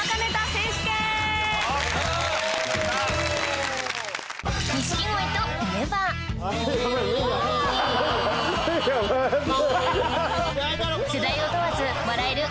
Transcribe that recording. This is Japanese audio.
世代を問わず笑える